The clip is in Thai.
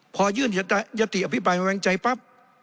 พอยื่นยติอภิปรายไว้วางใจปั๊บ